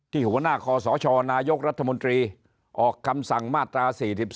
หัวหน้าคอสชนายกรัฐมนตรีออกคำสั่งมาตรา๔๔